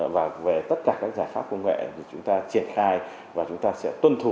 và về tất cả các giải pháp công nghệ thì chúng ta triển khai và chúng ta sẽ tuân thủ